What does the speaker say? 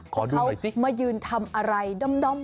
ขอดูหน่อยสิว่าเขามายืนทำอะไรดำ